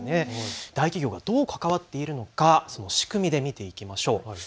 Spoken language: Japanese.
大企業がどう関わっているのか仕組みで見ていきましょう。